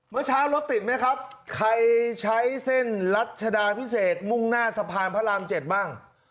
เมื่อเช้ารถติดไหมครับใครใช้เส้นรัชดาพิเศษมุ่งหน้าสะพานพระราม๗บ้าง